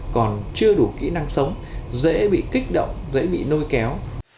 còn chưa đủ kỹ năng sống dễ bị kích động dễ bị nôi kéo